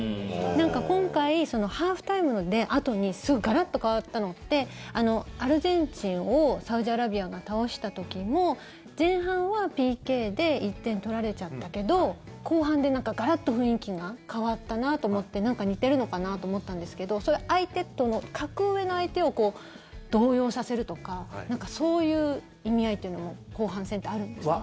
なんか今回ハーフタイムのあとにガラッと変わったのってアルゼンチンをサウジアラビアが倒した時も前半はＰＫで１点取られちゃったけど後半でガラッと雰囲気が変わったなと思って似ているのかなと思ったんですけど相手との格上の相手を動揺させるとかそういう意味合いというのも後半戦ってあるんですか？